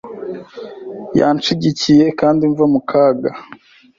Yanshigikiye kandi mva mu kaga